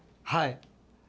はい。